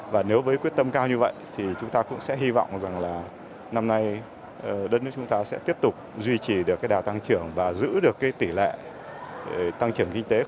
và nếu với quyết tâm cao như vậy thì chúng ta cũng sẽ hy vọng rằng là năm nay đất nước chúng ta sẽ tiếp tục duy trì được cái đà tăng trưởng và giữ được cái tỷ lệ tăng trưởng kinh tế